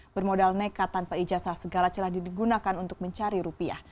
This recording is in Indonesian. bermodal nekat tanpa ijazah segala celah digunakan untuk mencari rupiah